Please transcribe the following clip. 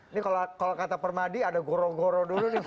ini kalau kata permadi ada gorong goro dulu nih